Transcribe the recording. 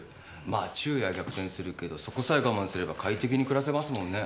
まあ昼夜は逆転するけどそこさえ我慢すれば快適に暮らせますもんね。